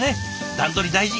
段取り大事。